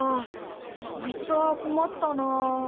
そいつは困ったなあ。